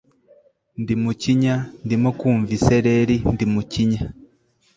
ndi mukinya, ndimo kumva isereri ndi mukinya